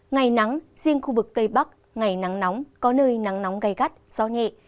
ngày nắng riêng khu vực tây bắc ngày nắng nóng có nơi nắng nóng gai gắt gió nhẹ